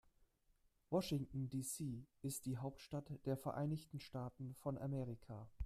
Washington, D.C. ist die Hauptstadt der Vereinigten Staaten von Amerika.